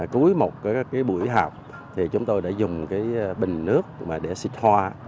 cuối một buổi học chúng tôi đã dùng bình nước để xích hoa